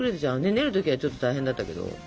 練る時はちょっと大変だったけど。